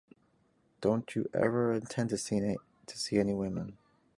Don't you ever intend to see any women?